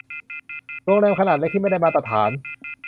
โรงแรมขนาดเล็กที่ไม่ได้มาตรฐาน